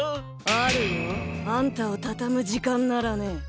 あるよ。あんたをたたむじかんならね。